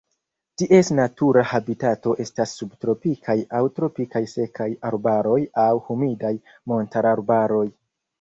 Ties natura habitato estas subtropikaj aŭ tropikaj sekaj arbaroj aŭ humidaj montararbaroj.